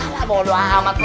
kala bodoh amat lu